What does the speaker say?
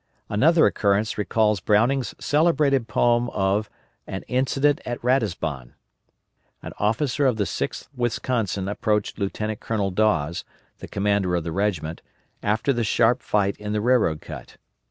Another occurrence recalls Browning's celebrated poem of "An Incident at Ratisbon." An officer of the 6th Wisconsin approached Lieutenant Colonel Dawes, the commander of the regiment, after the sharp fight in the railroad cut.